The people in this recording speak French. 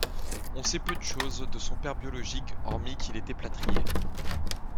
On sait peu de choses de son père biologique hormis qu'il était plâtrier.